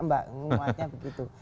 mbak muatnya begitu